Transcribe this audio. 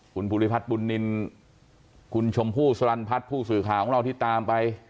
คุณภูริพัฒน์บุญนินคุณชมพู่สลันพัฒน์ผู้สื่อข่าวของเราที่ตามไป